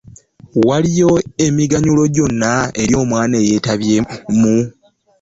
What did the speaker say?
Waliwo emiganyulo gyonna eri omwana eyeetabyemu?